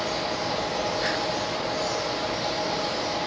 ต้องเติมเนี่ย